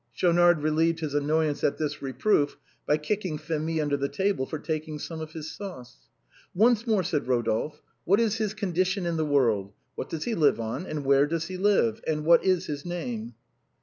Schaunard relievod his annoyance at this reproof by kicking Phémie under the table for taking some of his sauce. A BOHEMIAN *^ AT HOME." 139 " Once more/' said Rodolphe ;" what is his condition in the world? what does he live on^, and where does he live? and what is his name